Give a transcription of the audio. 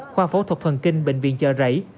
khoa phẫu thuật phần kinh bệnh viện chợ rẫy